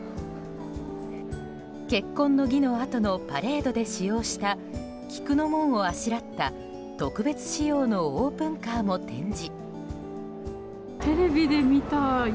結婚の儀のあとのパレードで使用した菊の紋をあしらった特別仕様のオープンカーも展示。